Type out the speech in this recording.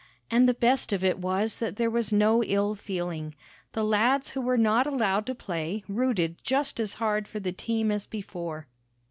And the best of it was that there was no ill feeling. The lads who were not allowed to play rooted just as hard for the team as before.